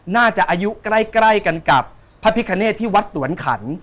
น่าจะอายุใกล้กันกับพระพิคเนตที่วัดสวนขัน